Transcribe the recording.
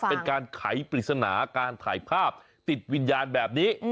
เป็นการไขปริศนาการถ่ายภาพติดวิญญาณแบบนี้